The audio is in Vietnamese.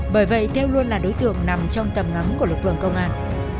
bởi vậy theo luôn là đối tượng nằm trong tầm ngắm của lực lượng công an